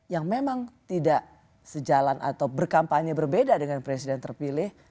yang memang tidak sejalan atau berkampanye berbeda dengan presiden terpilih